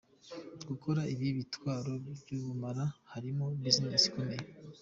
Gukora ibi bitwaro by’ubumara harimo business ikomeye.